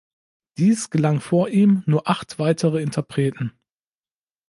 Dies gelang vor ihm nur acht weitere Interpreten.